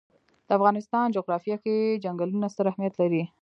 د افغانستان جغرافیه کې چنګلونه ستر اهمیت لري.